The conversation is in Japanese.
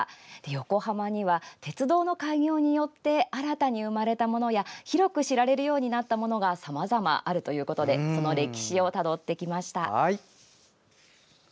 横浜には、鉄道の開業によって新たに生まれたものや広く知られるようになったものがさまざまあるということでその歴史をたどってきました。